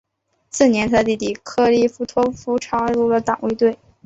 次年他的弟弟克里斯托福加入了党卫队。